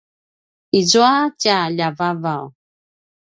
izua tja ljiavavaw